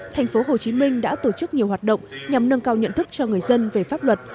tp hcm đã tổ chức nhiều hoạt động nhằm nâng cao nhận thức cho người dân về pháp luật